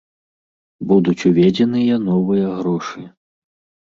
Будуць уведзеныя новыя грошы.